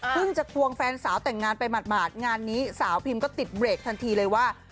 จะควงแฟนสาวแต่งงานไปหมาดงานนี้สาวพิมก็ติดเบรกทันทีเลยว่า